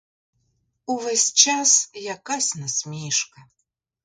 Увесь час якась насмішка.